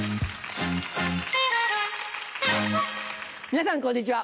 皆さんこんにちは。